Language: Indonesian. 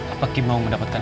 apa kim mau mendapatkan